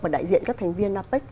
và đại diện các thành viên apec